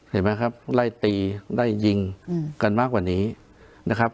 เห็นไหมครับไล่ตีไล่ยิงกันมากกว่านี้นะครับ